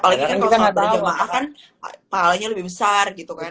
apalagi kan kalo soal perjemahan halanya lebih besar gitu kan